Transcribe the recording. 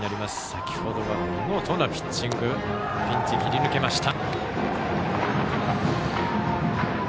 先程は見事なピッチングでピンチを切り抜けました。